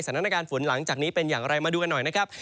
สถานการณ์ฝนหลังจากนี้เป็นอย่างไรมาดูกันหน่อยนะครับ